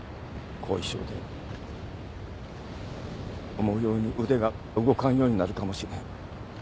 後遺症で思うように腕が動かんようになるかもしれん。